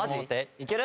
いける？